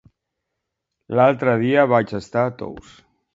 L'altre dia vaig estar a Tous.